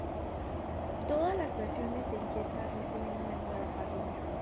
Todas las versiones del Jetta reciben una nueva parrilla.